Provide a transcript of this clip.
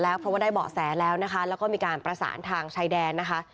แล้วเพราะว่าได้เบาะแสแล้วนะคะแล้วก็มีการประสานทางชายแดนนะคะ